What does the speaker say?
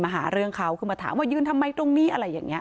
หาเรื่องเขาคือมาถามว่ายืนทำไมตรงนี้อะไรอย่างนี้